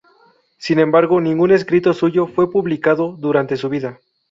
Sin embargo, ningún escrito suyo fue publicado durante su vida.